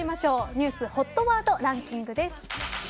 ニュースＨＯＴワードランキングです。